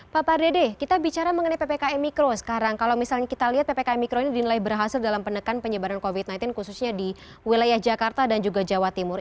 pak pardede kita bicara mengenai ppkm mikro sekarang kalau misalnya kita lihat ppkm mikro ini dinilai berhasil dalam penekan penyebaran covid sembilan belas khususnya di wilayah jakarta dan juga jawa timur